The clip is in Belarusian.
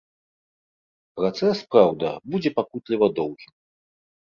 Працэс, праўда, будзе пакутліва доўгім.